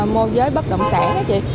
mô giới bất động sản